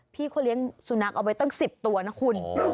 พี่เขาเลี้ยงสุนัขเอาไว้ตั้ง๑๐ตัวนะคุณ